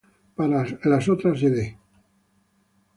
Para las otras ed.